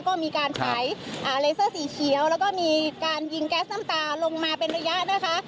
ก็มีการขายเลเซอร์สีเขียวแล้วก็มีการยิงแก๊สน้ำตาลงมาเป็นระยะนะคะ